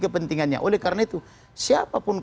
kepentingannya oleh karena itu siapapun